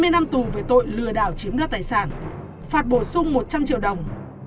hai mươi năm tù về tội lừa đảo chiếm đoạt tài sản phạt bổ sung một trăm linh triệu đồng